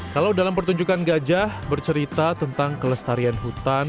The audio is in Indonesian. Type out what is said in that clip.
kalau dalam pertunjukan gajah bercerita tentang kelestarian hutan